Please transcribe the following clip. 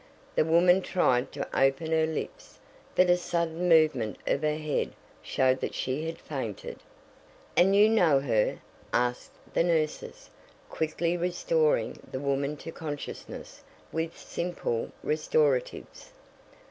The woman tried to open her lips, but a sudden movement of her head showed that she had fainted. "And you know her?" asked the nurses, quickly restoring the woman to consciousness with simple restoratives.